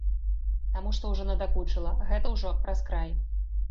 Таму што ўжо надакучыла, гэта ўжо праз край.